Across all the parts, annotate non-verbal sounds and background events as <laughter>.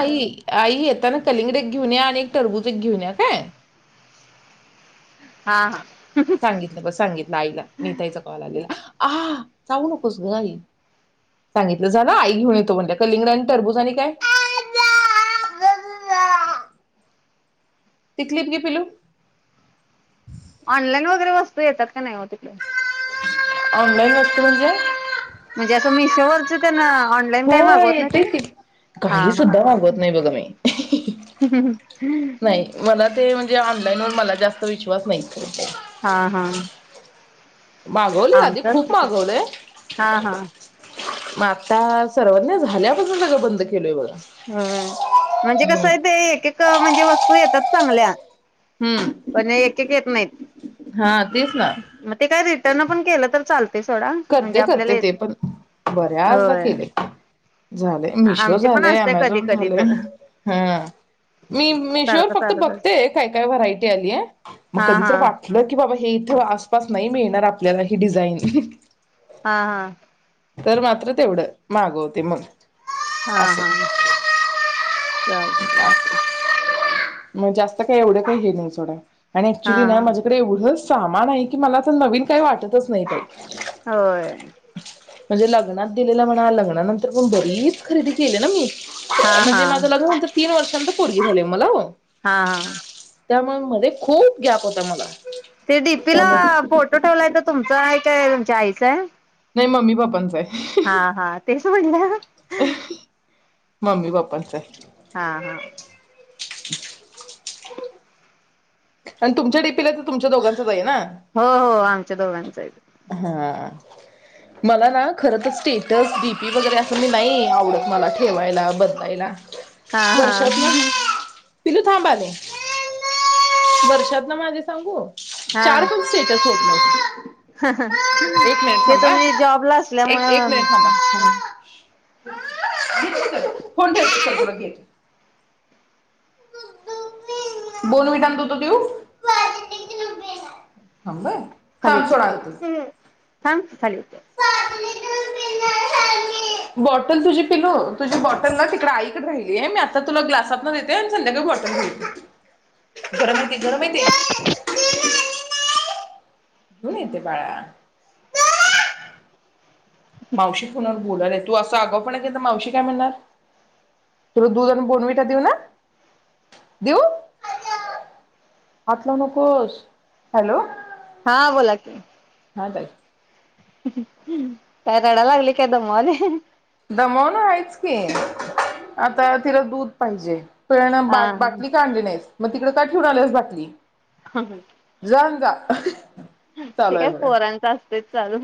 आई आई येताना कलिंगड एक घेऊन या आणि एक टरबुज एक घेऊन या हा काय? हा हा सांगितलं बस सांगितलं आईला नीताईचा कॉल आलेला. हा चाऊ नकोस ग आई सांगितलं झाल आई घेऊन येतो म्हणत्या कलिंगड आणि तरबुज आणि काय? ति क्लिप घे पिल्लू. ऑनलाईन वगैरे वस्तू येतात का नाही ओ ऑनलाईन वस्तू म्हणजे म्हणजे असं मीशोवरच तेन हो येतय की हा काही हा सुद्धा तेच मागवत नाही बघा मी नाही मला ते म्हणजे ऑनलाईन वर मला जास्त विश्वास नाही. हा हा मागवलीत आदि आमचंच खूप तस मागवलय हा हा मग आताच सर्वज्ञाव झाल्यापासून सगळ बंद केलय बघा. ह म्हणजे कसं आहे ते एक एक म्हणजे की वस्तू येतात चांगल्या हम्म पण एक एक येत नाहीत हा तेच ना मग ते काय? त्यांन पण केलं तर चालतय. करते करते ते पण बऱ्याचदा होय केलय झालय मिशो आमचे पण झालय असते ॲमेझॉ कधी बंद कधी तर झालय मीशोवर सारखं फक्त चालत असत बघते काय काय वरायटी आलीय मग हा कधी हा वाटल की बाबा हे इथ आसपास नाही मिळणार आपल्याला ही डिझाईन हा हा तर मात्र तेवढं मागवते मग हा असं हा चालतय चालतय मग जास्त ते का एवढं काय हे नाही सोडा आणि हा ऍक्च्युली हा माझ्याकडे एवढं सामान आहे की मला आता नवीन काय वाटत? वाटतच नाही ताई. होय म्हणजे लग्नात दिलेला म्हणा लग्नानंतर पण बरीच खरेदी केली ना मी. हा हा म्हणजे माझं लग्न होऊन तर एकवर्षानंतर पोरगी झालीय मला ओ हा हा त्यामूळ मध्ये खूप गॅप होता. मला ते डीपीला त्यामुळे फोटो ठेवलाय तो तुमचा हाय तुमचा हाय कि तुमच्या आईचा हाय नाय मम्मी पप्पांचा हाय हा हा तेच म्हणलं मम्मी पप्पांचा आहे. हा हा <unintelligible> आणि तुमच्या डीपीला तर तुमच्या दोघांच हो हो आमच्या दोघांचा हाय तो हा मला ना खर तर स्टेटस डीपी वगैरे असं मी नाही आवडत मला ठेवायला बदलायला हा हा पिल्लू थांब आले. वर्षातना माझे सांगू चार हा पाच स्टेटस होत नव्हते एक मिनिट ते थांबा तुम्ही हा. जॉबला असल्यामुळ एक एक मिनिट थांबा फोन ठेवते चल तुला घेते. दूदू पिणार बोर्नविटा अन् दूध देऊ थांब हं खाली थांब सोड आणते. उतर हं थांब खाली दूध पिण्यासाठी बॉटल तुझी पिल्लू तुझ्या बॉटल ना तिकड आईकड राहिली ये मी आता तुला ग्लासात देते अन् संध्याकाळी बॉटलन देते. गरम गरम ते <unintelligible> घेऊन येते बाळा <unintelligible> मावशी फोनवर बोलालय तू असं आगाऊ <unintelligible> मावशी काय म्हणणार तुला दूध अन् बोर्नविटा देऊ ना देऊ हात लावू नकोस हॅलो हा बोला की, <inaudible> काय रडायला लागले का काय दमावलय दमवन आहेच की आता तिला दूध पाहिजे. <unintelligible> हा बा हा बाटली काढली नाहीस. म तिकडेका ठेवून आल्यास बाटली. जा आण जा <unintelligible> ते चालू आहे काय बघा पोरांच अस ते चालू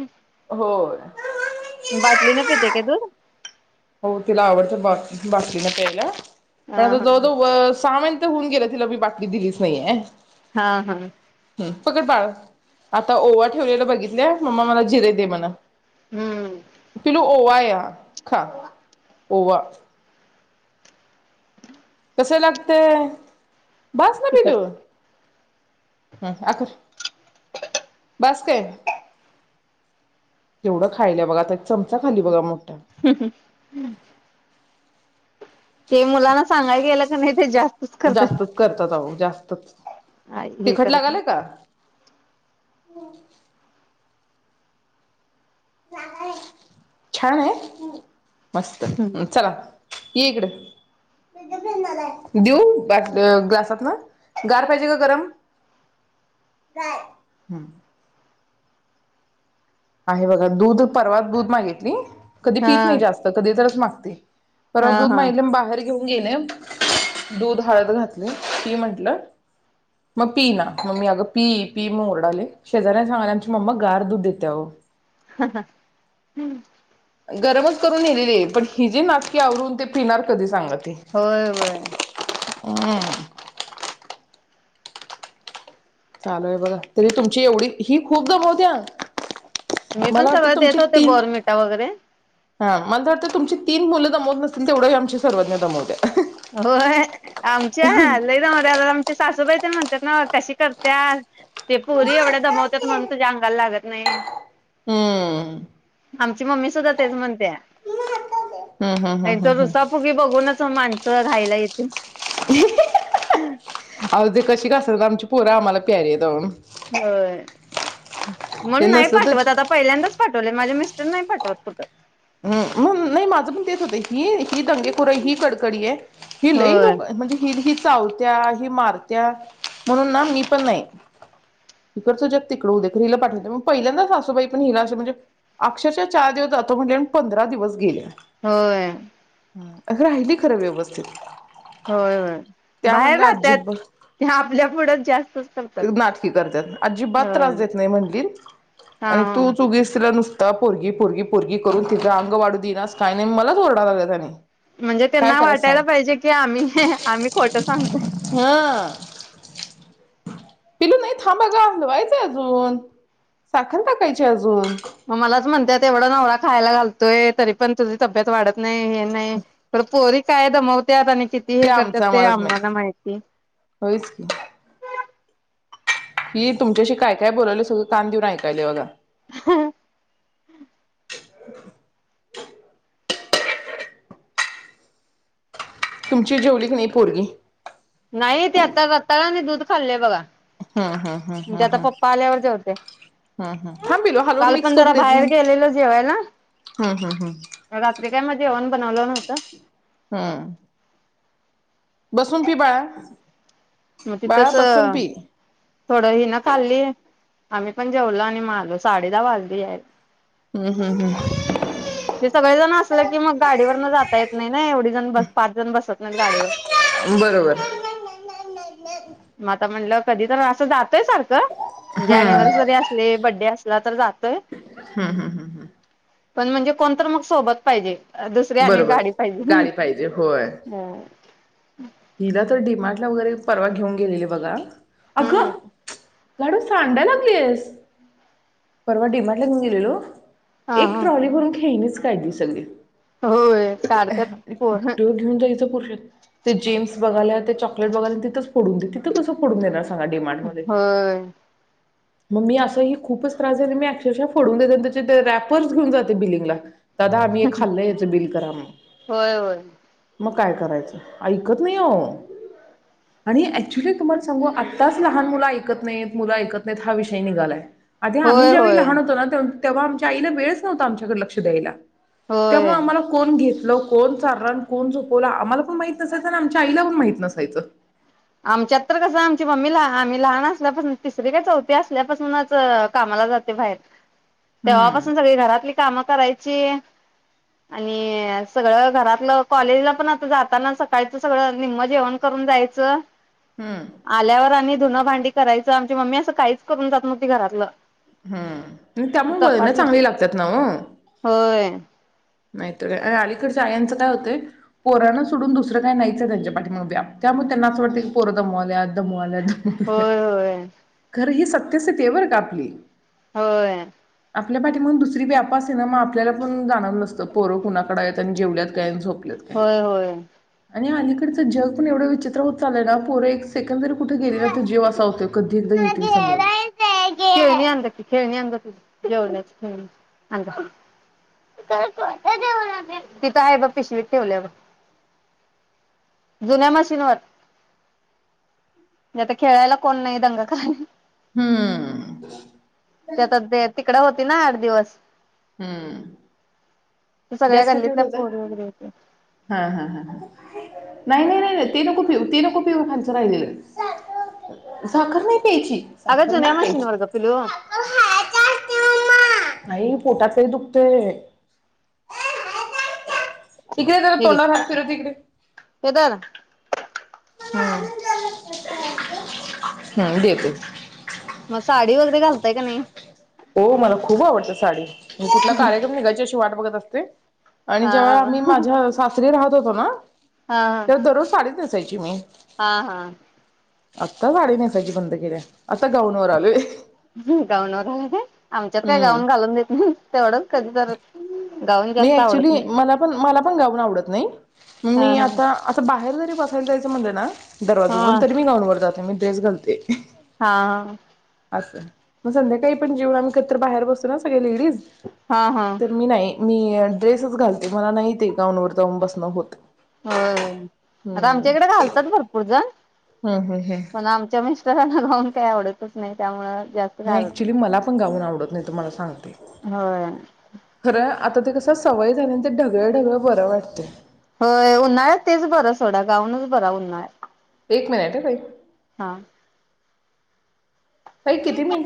होय. बाटली न पितंय का दूध? हो तिला आवडतं बा बाटलीन प्यायला. हा हा <unintelligible> सहा महिन होऊन गेलं तिला मी बाटली दिलीच नाहीये हायन हा हा पकड बाळ आता ओवा ठेवलेल बघितले मम्मा मला जिरे दे म्हण हम्म पिल्लू ओवाय. <inaudible> ओवा. कस लागतेय? बास ना तिकट पिल्लू, हम आ कर, बास काय. तेवढं खायल्या बघा. आता एक चमचा खाल्ली बघा मग. <unintelligible> ते मुलांना सांगाय गेलं का नाही ते जास्त जास्तच करतात, आहो जास्तच. हे तिखट करत लागालय का? नाही. <unintelligible> <inaudible> छानय हं. मस्त, चला. ये इकड <inaudible> देऊ ग्लास ग्लासात ना गार पाहिजे का गरम. गार ह. आहे बघा, दूध परवात दूध मागितली. कधी पीत नाही हा जास्त, कधी तरच माग <inaudible> परत हा दूध हा मागितलं <unintelligible> भारी घेऊन गेले, दूध हळद घातले, पी म्हटलं, मग पीइना, मग मी अगं पी- पी म ओरडाले. शेजाऱ्यानी सांगाले आमची मम्मा गार दूध देते अहो. <unintelligible> <unintelligible> गरमच करून नेलेलीय, पण हिजी नाटकी आवरून ते पिणार कधी सांगा. ती होय होय. हम्म <inaudible> चालूयेबघा तरी तुमची एवढी, ही खूप दमावते हा. मी पण सगळ देत होते बोर्णव्हीटा वगैरे. हा मला तर वाटत तुमची तीन मुलं दमवत नसतील, तेवढी ही आमची सर्वज्ञा दमवते. होय आमची आहे लई दमवत्यात. आमची सासूबाई तर म्हण तर ना कशी करत्यात. ते पोरी एवढ्या दमावत्यात म्हणून, तुझ्या अंगाला लागत ना हम्म. मम्मी सुधा तेच म्हन हम्म हम्म हम्म नाहीतर हम्म हम्म रुसा फुगी बघूनच माण राहयला येतील. <unintelligible> <inaudible> कशी का असनात आमची पोरं आम्हाला प्यारीयत ह. होय ते म्हणून नाही नसलं पाठवत तर आता पहिल्यांदाच पाठवले माझे मिस नाही पाठवत कुठं हम मग नाही माझं पण तेच होत ही ही दंगेखोर ही कडकडी आहे ही लई होय लोक म्हणजे हि चावत्या ही मारत्या म्हणून ना मी पण नाही गचू द्या तिकड उद्या मुलं पाठवते हो पहिल्यांदाच अस वहीपण हिला अस म्हणजे अक्षरशः चार दिवस जातो म्हणजे पंधरा दिवस गेले होय अग राहिली खरं व्यवस्थित होय होय त्या बाहेर म्हणल्या राहत्यात अजिब ते आपल्या पुढं जास्तच करतात नाटकी करतात अजिबात होय त्रास देत नाही म्हणली हा आणि हा तूच उगीच तिला नुसत पोरगी पोरगी पोरगी करून तिच अंग वाढू देनास काय नाही मलाच ओरडा लाग त्याने म्हणजे काय त्यांना करायच वाटायला सांग पाहिजे की आम्ही आम्ही खोटं सांगतो हा पिलू नाही थांब अग हलवायचं अजून साखर टाकायची अजून आम्हालाच म्हणत्यात तेवढा नवरा खायला घालतोय तरी पण तुझी तब्येत वाढत नाही हे नाही पोरी काय दमवत्यात आणि किती ते वेळ आमचं करत्यात ते आम्हालाच माहित आम्हाला माहीत नइ होयच ही तुमच्याशी काय काय बोलावले सगळं. कान देऊन ऐकायलंय बघा हह <inaudible> तुमची जेवली की नाही पोरगी? नाही ते आत्ता जाता दुध खाल्ले बघा हम् हम् ते हम् आता हम् पप्पा आल्यावर जेवते हम् थांब पिलू हालवून काल मिक्स पण करून जरा देत बाहेर गेलेलो जेवायला हम् हम् हम् त्यामधे अवण बनवलं नव्हतं हा बसून पि बाळा म बाळा तिथंच बसून पी थोडं हि न खाल्ली आम्ही पण जेवलो आणि माले साडे दहा वाजले आहे हम्म हम् हम् ते सगळेजण असलं की मग गाडीवर न जाता येत नाही ना एवढी जण बस पाच जण बसत नाहीत गाडीवर बरोबर म आता म्हणलं कधी तर असं जातय सारखं म्हणजे अँनीवसरी असले बड्डे असल तुला तर जातय हम् हम् हम पण म्हणजे कोणत मग सोबत पाहिजे दुसरी आणि बरोबर गाडी पाहिजे. गाडी पाहिजे होय हम्म हिला तर डिमाग, नवगैरे परवा घेऊन गेलेले बघा अगं लाडू सांडा लागलीयस. परवा डीर्माटला घेऊन गेलेलो. हा एक हा ट्रॉली भरून खेळणीच काय दि सगळी होय अ काढतात पोर कुठे घेऊन जायचं फुरसत. ते जिम्स बघायलात ते चॉकलेट बघाला आणि तिंथच पडून दे तिं कसं पडून देणार सा होय. मग मी असं ही खूपच त्रास झाल मी अक्षरशः फोडून देते त्याचे रॅपर्स घेऊन जाते बिलिंगला. दादा आम्ही हे खाल्लय ते बिल करा म्हणून. होय होय मग काय करायचं. ऐकत नाइ आवो आणि ऍक्च्युली तुम्हाला सांगू आत्ताच लहान मुल ऐकत नायीयेत, मुल ऐकत नायीयेत हा विषय निघालाय. आधी आम्ही होय ज्यावेळी होय लहान होतो ना त तेव्हा आमच्या आईला वेळच नव्हता आमच्याकडं लक्ष द्यायला. मग होय. आम्हाला कोण घे ल कोण चारल आणि कोण झोपवल आम्हाला पण माहित नसायच आणि आमच्या आईला पण माहित नसायचं. आमच्यात तर कस आमची मम्मी आम्ही लहान असल्यापासून तिसरी काय चौथी असल्यापासूनच कामाला जाते बाहेर. हम्म. तेवापासून सगळी घरातली काम करायची आणि सगळ घरातल कॉलेजला पण आता जाताना सकाळीच सगळ निम्म जेवण करून जायचं. हम्म आल्यावर आणि धुन, भांडी करायच आमची मम्मी अस काहीच करून जात नव्हती घरातलं. हम्म आणि त्यामुळं वळण चपाती चांगली लागतात ना ओ. होय नाही तर काय. आणि अलीकडच्या आयांचं काय होतय, पोरांना सोडून दुसरं काय नाहीच हाय त्यांच्या पाठीमाग व्याप. त्यामुळे त्यांना अस वाटतते की पोरं दमवाल्यात, दमवाल्यात, दम होय, होय. कस ते बर आपली होय. आपल्या पाठी माग दुसरी व्याप असती ना मग आपल्याला पण जानवल नसतं. पोर कुणाकड हायत आणि जेवल्यात झोपल्यात काय. होय होय आणि आ जग पण एवढं विचित्र होत चाललय ना, पोर एक सेकंद जरी कुठ गेले ना त जीव असा होतोय कध दीर्घ घेतील समोर <unintelligible> तिथ आहे बघ पिशवी ठेवल्यात बघ जुन्या मशीनवर आता खेळायला कोण नाही. दंगा काय? हम्म. त्यात आता ते कड होती ना आठ दिवस. हम्म. सगळ्या गॅस <unintelligible> गल्लीतल्या पोरी वगैरे होत्या हा हा ह नाही नाही नाही नाही ते नको पिऊ, ते नको पिऊ खालच राहिलेलं. <unintelligible> साखर नाही प्यायची अगं साखर जुन्या नाय प्यायची मशीनवर ग पिलू <inaudible> नाही पोटात लइ दुखतय. इकडे ये जरा हे घे तोंडावर हात फिरवते इकडे ये. हे धर <inaudible> <inaudible> हम् देेते मग साडी वगेरे घालताय का नायी? हो मला खूप आवडत साडी. म कुठला कार्यक्रम निघायच्या <unintelligible> वाट बघत असते. आणि जेव्हा मी हा माझ्या सासरी राहत तोना हा त्या दररोज साडीच नेस सायची मी. हा- हा. आत्ता साडी नेसायची बंद केल्या, आत्ता गाऊनवर आलोय. हम् गाऊनवर <unintelligible> आमच्यात काय हम्म गाऊन घालून देत नाही <inaudible> तेवढ. कधीतरच. <inaudible> मी ऍक्च्युली मला पण मला पण गाऊन आवडत नाही हा मी हा आता असं बाहेर जरी बसायला जायचं म्हणलं ना दरवाजा उघडून हा तरी मी गाऊनवर जात नाही तेच घालते. हा आ. असं. मग संध्याकाळी पण जेऊन आम्ही कधीतर बाहेर बसतो ना आम्ही लेडिज लेडिज, हा हा तर मी नाही. मी ड्रेसच घालते मला नाही ते गाऊन वर जाऊन बसणं होत. होय आता आमच्या इकड घालतात भरपूर जण. हं हं हं. राना गाऊन काही आवडतच नाही, त्यामुळे नाही ऍक्च्युली मला पण गाऊन आवडत नाही तुम्हाला सांगते. होय खरं आता ते कस सवय झाल्यान ते ढगळं ढगळ बरं वाटतय. होय उन्हाळ्यात तेच बरं सोडा गाऊनच बरा उन्हाळ्यात. एक मिनिट हा ताई. हा. ताई किती मिनिट?